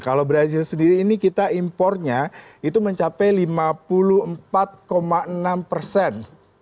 kalau brazil sendiri ini kita impornya itu mencapai lima puluh empat enam persen